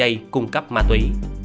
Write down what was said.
dây cung cấp ma túy